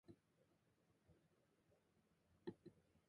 They held an album showcase on the same day.